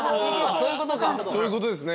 そういうことですね。